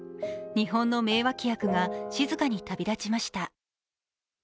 日本の名脇役が静かに旅立ちました。